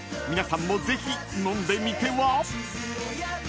［皆さんもぜひ飲んでみては？］